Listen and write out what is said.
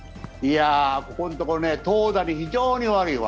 ここんところ投打が非常に悪いわ。